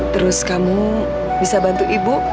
terus kamu bisa bantu ibu